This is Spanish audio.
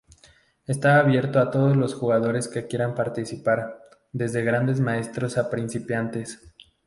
Está abierto a todos los jugadores que quieran participar, desde Grandes Maestros a principiantes.